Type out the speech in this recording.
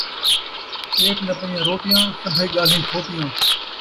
پیٹ ناں پیاں روٹیاں، سبھے ڳالھیں کھوٹیاں